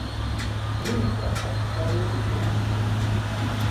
¿Ninka ashitawori wantsi?